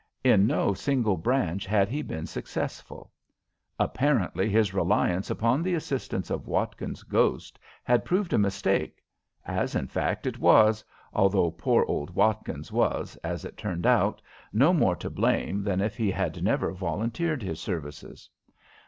In no single branch had he been successful. Apparently his reliance upon the assistance of Watkins's ghost had proved a mistake as, in fact, it was, although poor old Watkins was, as it turned out, no more to blame than if he had never volunteered his services.